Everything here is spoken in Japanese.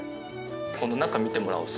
この中見てもらうと。